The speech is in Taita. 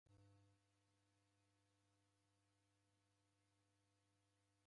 Dakotie mao udineke w'ulalo.